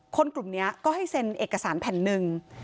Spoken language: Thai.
กลุ่มนี้ก็ให้เซ็นเอกสารแผ่นหนึ่ง